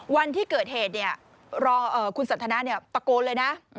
วันที่เกิดเหตุคุณสันทนาตะโกนเลยนะ